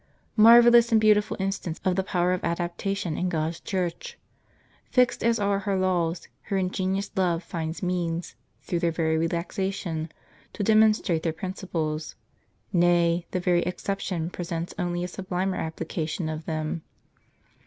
* Marvellous and beautiful instance of the power of adapta tion in God's Church ! Fixed as are her laws, her ingenious love finds means, through their very relaxation, to demon strate their principles ; nay, the very exception presents only a sublimer apjjlication of them.